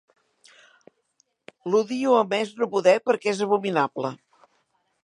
L'odio a més no poder perquè és abominable.